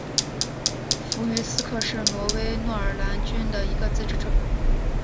弗于斯克是挪威诺尔兰郡的一个自治市。